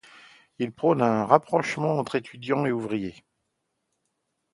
Elle prône un rapprochement entre étudiants et ouvriers.